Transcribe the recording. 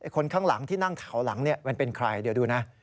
คนข้างหลังที่นั่งแถวหลังมันเป็นใครเดี๋ยวดูนะ